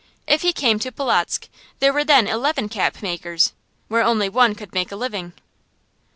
If he came to Polotzk, there were then eleven capmakers where only one could make a living.